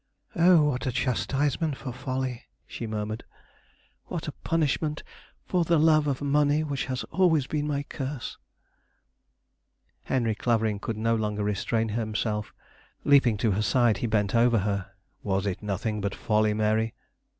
"Oh, what a chastisement for folly!" she murmured. "What a punishment for the love of money which has always been my curse!" Henry Clavering could no longer restrain himself, leaping to her side, he bent over her. "Was it nothing but folly, Mary?